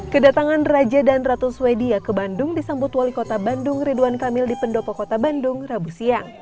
kedatangan raja dan ratu swedia ke bandung disambut wali kota bandung ridwan kamil di pendopo kota bandung rabu siang